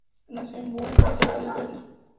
Nació en Büren, muy cerca de Berna.